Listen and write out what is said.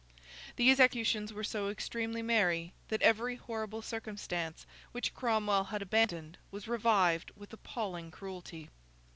These executions were so extremely merry, that every horrible circumstance which Cromwell had abandoned was revived with appalling cruelty.